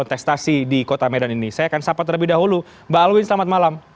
selamat malam mas sehat